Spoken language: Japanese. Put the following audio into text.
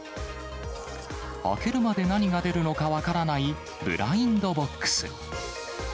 開けるまで何が出るのか分からないブラインドボックス。